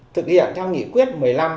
thực hiện theo nghị quyết một mươi năm